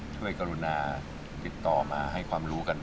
สิ่งที่ทุกคนรู้